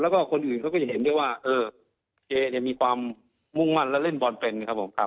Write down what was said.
แล้วก็คนอื่นเขาก็จะเห็นได้ว่าเจเนี่ยมีความมุ่งมั่นและเล่นบอลเป็นครับผมครับ